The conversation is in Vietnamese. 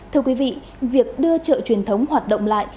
thưa quý vị việc đưa chợ truyền thống hoạt động lại